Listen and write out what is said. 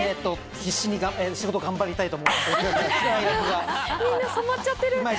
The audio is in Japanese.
必死に仕事を頑張りたいと思います。